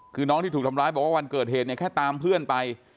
คือน้องที่ถูกทำร้ายบอกว่าวันเกิดเหตุเนี่ยแค่ตามเพื่อนไป